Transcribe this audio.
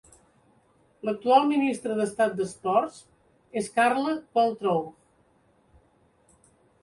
L'actual ministre d'estat d'esports és Carla Qualtrough.